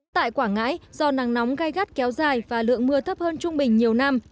tại quảng ngãi do nắng nóng gai gắt kéo dài và lượng mưa thấp hơn trung bình nhiều năm